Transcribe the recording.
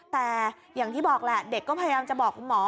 แต่อย่างที่บอกแหละเด็กก็พยายามจะบอกคุณหมอ